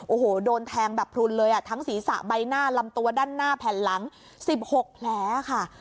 โอ้โหโดนแทงแบบพลุนเลยอ่ะทั้งศีรษะใบหน้าลำตัวด้านหน้าแผ่นหลัง๑๖แผลค่ะ